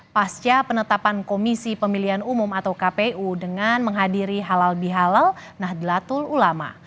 pasca penetapan komisi pemilihan umum atau kpu dengan menghadiri halal bihalal nahdlatul ulama